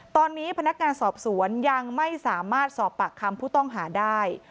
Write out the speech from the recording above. ตอนนี้พนักงานสอบสวนยังไม่สามารถสอบปากคำผู้ต้องหาได้